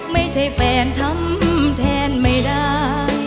ไม่ใช่แฟนทำแทนไม่ได้